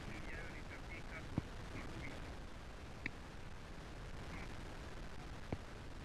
Wiki ijayo nitafika Bamburi